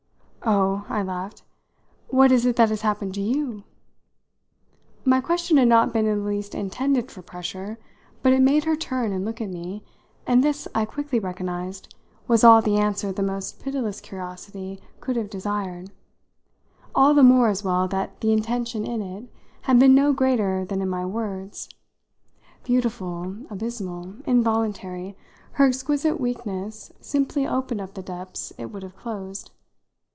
"Oh," I laughed, "what is it that has happened to you?" My question had not been in the least intended for pressure, but it made her turn and look at me, and this, I quickly recognised, was all the answer the most pitiless curiosity could have desired all the more, as well, that the intention in it had been no greater than in my words. Beautiful, abysmal, involuntary, her exquisite weakness simply opened up the depths it would have closed.